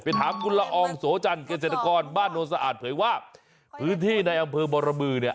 ถามคุณละอองโสจันทร์เกษตรกรบ้านโนนสะอาดเผยว่าพื้นที่ในอำเภอบรบือเนี่ย